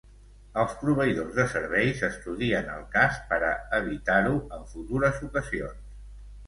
Els proveïdors de serveis estudien el cas per a evitar-ho en futures ocasions.